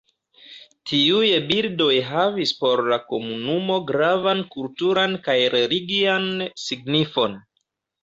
Tiuj bildoj havis por la komunumo gravan kulturan kaj religian signifon.